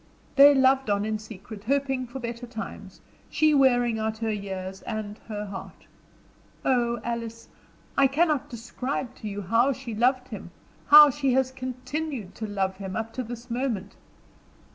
They loved on in secret, hoping for better times, she wearing out her years and her heart. Oh, Alice! I cannot describe to you how she loved him how she has continued to love him up to this moment.